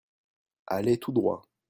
Allez tout droit.